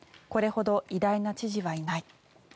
これほど偉大な知事はいない。